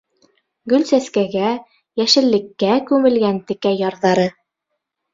Гөл-сәскәгә, йәшеллеккә күмелгән текә ярҙары.